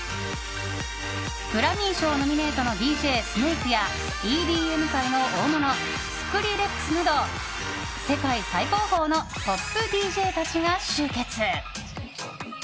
グラミー賞ノミネートのＤＪＳＮＡＫＥやＥＤＭ界の大物ＳＫＲＩＬＬＥＸなど世界最高峰のトップＤＪたちが集結！